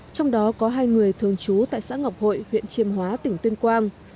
trong đó có hai người thường trú tại xã ngọc hội huyện chiêm hóa tỉnh tuyên quang